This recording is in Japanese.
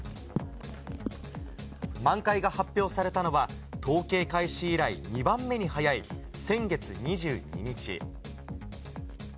満開が発表されたのは、統計開始以来２番目に早い先月２２日。